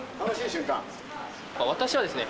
私はですね、